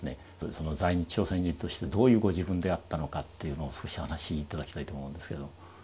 在日朝鮮人としてどういうご自分であったのかというのを少しお話し頂きたいと思うんですけど。